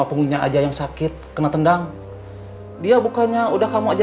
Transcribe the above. berarti kamu minta saya hajar